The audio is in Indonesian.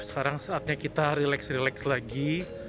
sekarang saatnya kita relax relax lagi